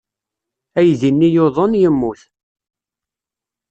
Aydi-nni yuḍen, yemmut.